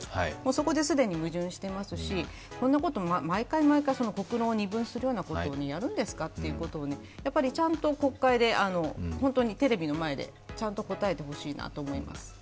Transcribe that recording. そこで既に矛盾していますし、こんなこと毎回、毎回、国論が二分するようなことをやるんですかということをやはりちゃんと国会でテレビの前で答えてほしいなと思います。